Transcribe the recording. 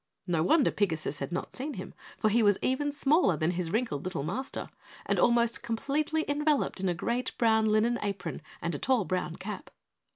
No wonder Pigasus had not seen him, for he was even smaller than his wrinkled little Master and almost completely enveloped in a great brown linen apron and tall brown cap.